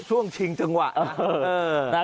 ช่วงชิงจังหวะนะ